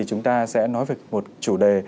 chúng ta sẽ nói về một chủ đề